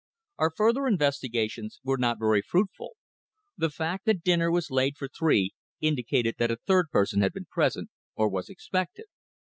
Our further investigations were not very fruitful. The fact that dinner was laid for three indicated that a third person had been present, or was expected.